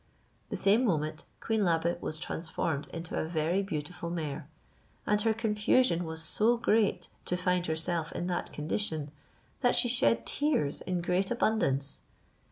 The same moment, Queen Labe was transformed into a very beautiful mare; and her confusion was so great to find herself in that condition, that she shed tears in great abundance.